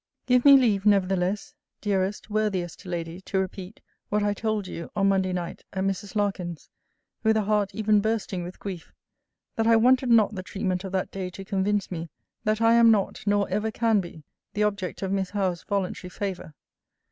Give me leave, nevertheless, dearest, worthiest Lady, to repeat, what I told you, on Monday night, at Mrs. Larkin's, with a heart even bursting with grief, That I wanted not the treatment of that day to convince me, that I am not, nor ever can be, the object of Miss Howe's voluntary favour.